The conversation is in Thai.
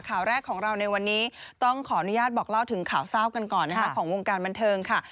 ข่าวแรกของเราในวันนี้ต้องขออนุญาตบอกเล่าถึงข่าวเศร้ากันก่อนนะคะของวงการบันเทิงค่ะ